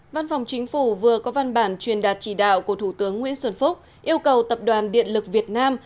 văn phòng chính phủ vừa có văn bản truyền đạt chỉ đạo của thủ tướng nguyễn xuân phúc yêu cầu tập đoàn điện lực việt nam